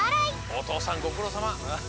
おとうさんごくろうさま！